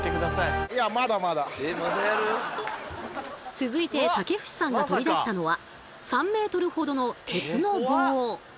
続いて竹節さんが取り出したのは３ｍほどの鉄の棒。